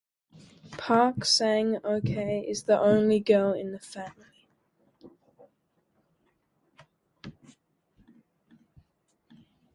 Park Sang Ok is the only girl in the family.